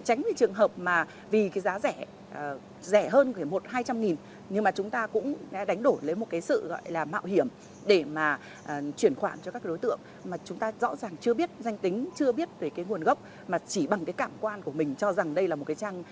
tránh cái trường hợp mà vì cái giá rẻ rẻ hơn một hai trăm linh nhưng mà chúng ta cũng đánh đổi lấy một cái sự gọi là mạo hiểm để mà chuyển khoản cho các đối tượng mà chúng ta rõ ràng chưa biết danh tính chưa biết về cái nguồn gốc mà chỉ bằng cái cảm quan của mình cho rằng đây là một cái trang